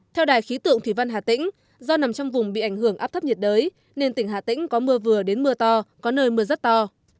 theo đài khí tượng thủy văn hà tĩnh do nằm trong vùng bị ảnh hưởng áp thấp nhiệt đới nên tỉnh hà tĩnh có mưa vừa đến mưa to có nơi mưa rất to